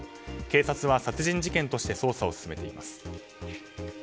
警察は殺人事件として捜査を進めています。